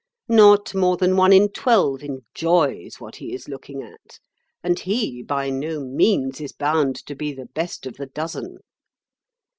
Not more than one in twelve enjoys what he is looking at, and he by no means is bound to be the best of the dozen.